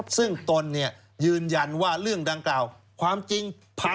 ซึ่งตนยืนยันว่าเรื่องดังกล่าวความจริง